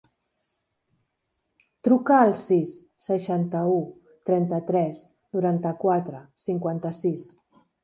Truca al sis, seixanta-u, trenta-tres, noranta-quatre, cinquanta-sis.